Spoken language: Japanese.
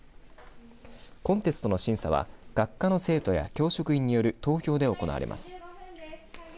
コンテストの審査は学科の生徒や教職員による投票で行われます。